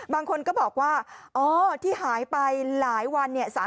บางคนก็บอกว่าอ๋อที่หายไปหลายวันเนี่ย